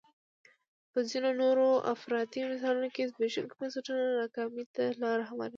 په ځینو نورو افراطي مثالونو کې زبېښونکي بنسټونه ناکامۍ ته لار هواروي.